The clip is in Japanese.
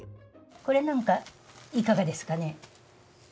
これなんかいかがですかね？